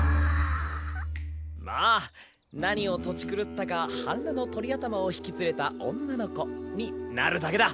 まあ「何をとち狂ったか半裸の鳥頭を引き連れた女の子」になるだけだ。